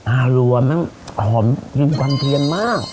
อารัวมันหอมกินกวันเทียนมาก